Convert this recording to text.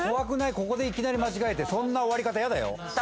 ここでいきなり間違えてそんな終わり方嫌だよ